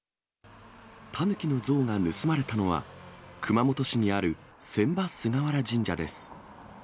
タヌキの像が盗まれたのは、熊本市にある船場菅原神社です。